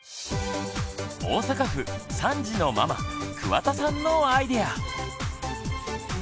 大阪府３児のママ桑田さんのアイデア！